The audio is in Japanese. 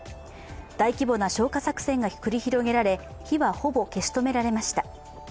大規模な消火作戦が繰り広げられ火はほぼ消し止められました。